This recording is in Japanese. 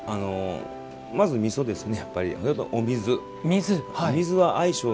まず、みそですね。